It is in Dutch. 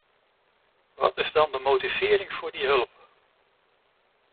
Wat is dan de motivering voor die hulp?